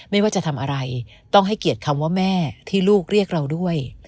ไม่ว่าจะทำอะไรต้องให้เกียรติคำว่าแม่ที่ลูกเรียกเราด้วย